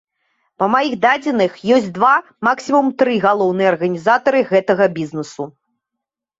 Па маіх дадзеных, ёсць два, максімум тры галоўныя арганізатары гэтага бізнесу.